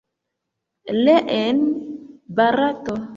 Ie en Barato.